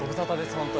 本当に。